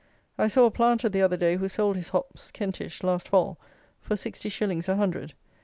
I saw a planter the other day who sold his hops (Kentish) last fall for sixty shillings a hundred.